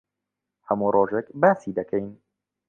هەموو ڕۆژێک باسی دەکەین.